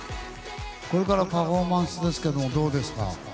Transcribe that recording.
これからパフォーマンスですけどどうですか？